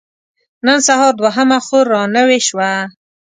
نن سهار دوهمه خور را نوې شوه.